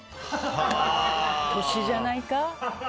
年じゃないか？